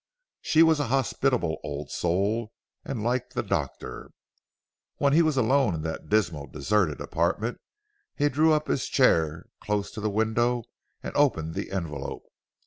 She was a hospitable old soul, and liked the doctor. When he was alone in that dismal, deserted, apartment, he drew up his chair close to the window and opened the envelope.